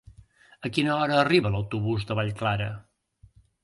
A quina hora arriba l'autobús de Vallclara?